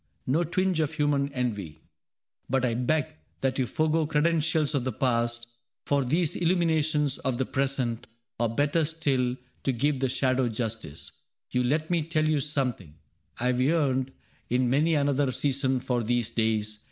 No twinge of human envy. But I beg That you forego credentials of the past For these illuminations of the present. Or better still, to give the shadow justice. You let me tell you something : I have yearned In many another season for these days.